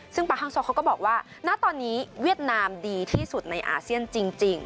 ซึ่งปาฮังโซเขาก็บอกว่าณตอนนี้เวียดนามดีที่สุดในอาเซียนจริง